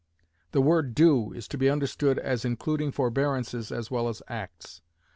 The word "do" is to be understood as including forbearances as well as acts.